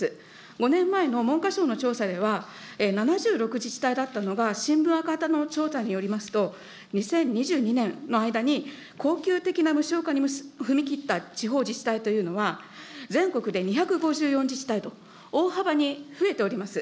５年前の文科省の調査では、７６自治体だったのが、しんぶん赤旗の調査によりますと、の間に恒久的な無償化に踏み切った地方自治体というのは、全国で２５４自治体と、大幅に増えております。